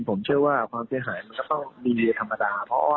ผมเชื่อว่าความเสียหายมันก็ต้องมีในธรรมดา